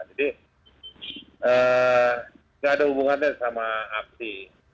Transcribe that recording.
jadi gak ada hubungannya sama aksi